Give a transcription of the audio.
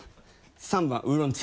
３番ウーロン茶。